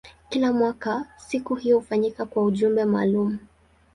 Kila mwaka siku hiyo hufanyika kwa ujumbe maalumu.